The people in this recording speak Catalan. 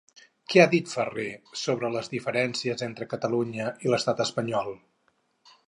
Què ha dit Farré sobre les diferències entre Catalunya i l'estat espanyol?